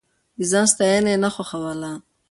د ځان ستاينه يې نه خوښوله.